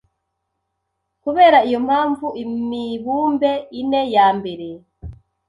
Kubera iyo mpamvu imibumbe ine ya mbere